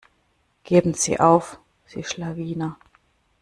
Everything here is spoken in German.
Geben sie auf, sie Schlawiner.